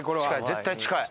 絶対近い。